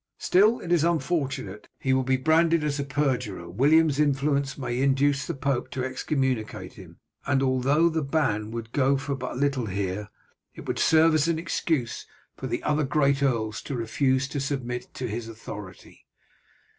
Still it is unfortunate. He will be branded as a perjurer. William's influence may even induce the pope to excommunicate him, and although the ban would go for but little here, it would serve as an excuse for the other great earls to refuse to submit to his authority.